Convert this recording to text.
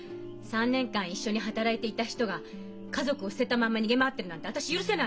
３年間一緒に働いていた人が家族を捨てたまま逃げ回ってるなんて私許せないの！